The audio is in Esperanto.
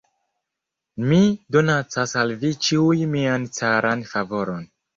Mi donacas al vi ĉiuj mian caran favoron.